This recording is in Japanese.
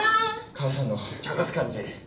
母さんのちゃかす感じ